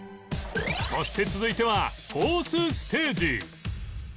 そして続いては ４ｔｈ ステージ